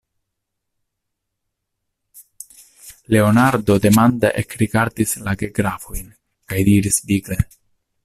Leonardo demande ekrigardis la gegrafojn, kaj diris vigle: